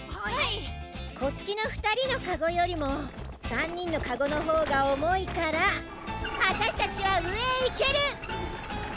こっちのふたりのかごよりも３にんのかごのほうがおもいからわたしたちはうえへいける！